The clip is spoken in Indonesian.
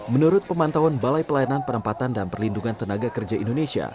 menurut pemantauan balai pelayanan penempatan dan perlindungan tenaga kerja indonesia